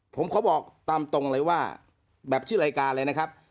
ผมขอบอกตามตรงเลยว่าแบบชื่อรายการเลยนะครับ